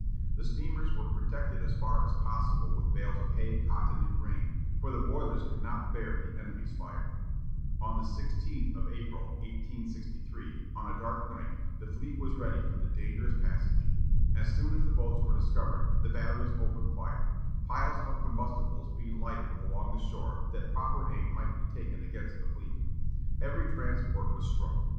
The steamers were protected as far as possible with bales of hay, cotton, and grain, for the boilers could not bear the enemy's fire. On the 16th of April, 1863, on a dark night, the fleet was ready for the dangerous passage. As soon as the boats were discovered, the batteries opened fire, piles of combustibles being lighted along the shore that proper aim might be taken against the fleet. Every transport was struck.